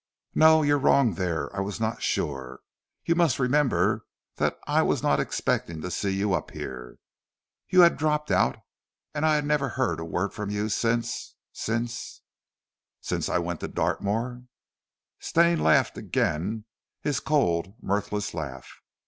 "No, you wrong me there! I was not sure. You must remember that I was not expecting to see you up here. You had dropped out, and I had never heard a word of you since since " "Since I went to Dartmoor," Stane laughed again his cold, mirthless laugh.